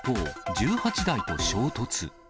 １８台と衝突。